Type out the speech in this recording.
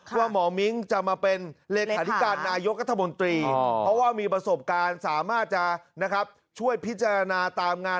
ว่าหมอมิ้งจะมาเป็นเลขาธิการนายกรัฐมนตรีเพราะว่ามีประสบการณ์สามารถจะช่วยพิจารณาตามงาน